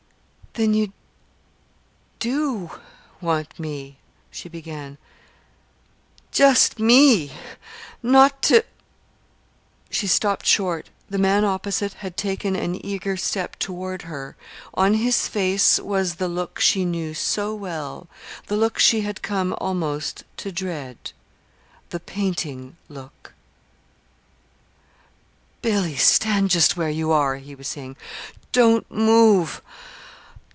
"Then you do want me," she began, " just me! not to " she stopped short. The man opposite had taken an eager step toward her. On his face was the look she knew so well, the look she had come almost to dread the "painting look." "Billy, stand just as you are," he was saying. "Don't move.